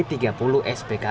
ini keluarga bertiga